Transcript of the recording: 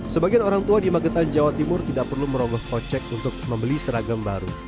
sebagian orang tua di magetan jawa timur tidak perlu merogoh kocek untuk membeli seragam baru